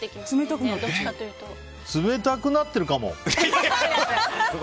冷たくなってるかも！